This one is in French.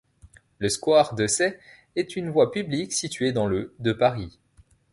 Le square Desaix est une voie publique située dans le de Paris.